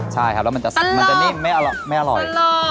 ใช่ครับแล้วมันจะนิ่มไม่อร่อย